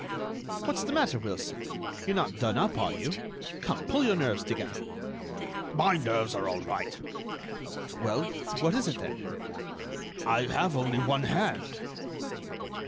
"What's the matter, Wilson? You're not done up, are you? Come, pull your nerves together." "My nerves are all right." "Well, what is it, then?" "I have only one hand."